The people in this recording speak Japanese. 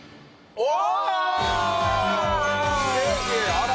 あら！